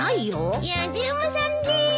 やじ馬さんです！